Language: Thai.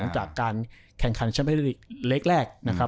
จากการแข่งขันเชียบแรก